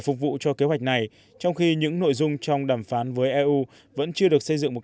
phục vụ cho kế hoạch này trong khi những nội dung trong đàm phán với eu vẫn chưa được xây dựng một